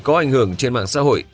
có ảnh hưởng trên mạng xã hội